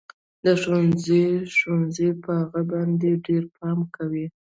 د ښوونځي ښوونکي به په هغه باندې ډېر پام کوي